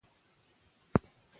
ایا خلک خوشاله ول؟